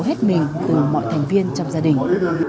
hết mình từ mọi thành viên trong gia đình